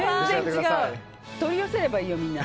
取り寄せればいいよ、みんな。